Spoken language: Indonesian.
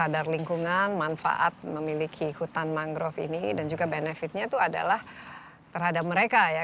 sadar lingkungan manfaat memiliki hutan mangrove ini dan juga benefitnya itu adalah terhadap mereka ya